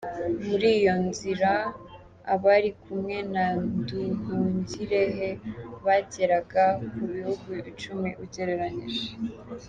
Muri iyo nzira, abari kumwe na Nduhungirehe bageraga ku bihumbi icumi ugereranyije.